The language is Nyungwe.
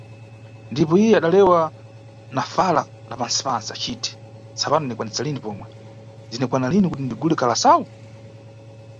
Ndipo iye adalewa na fala la pantsi-pantsi aciti, tsapano ndinikwanisa lini pomwe, zini kwana lini kuti ndigule kalasawu?